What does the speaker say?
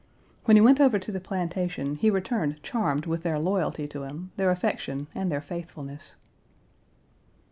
When he went over to the plantation he returned charmed with their loyalty to him, their affection and their faithfulness.